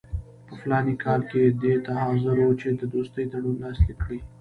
په فلاني کال کې دې ته حاضر وو چې د دوستۍ تړون لاسلیک کړي.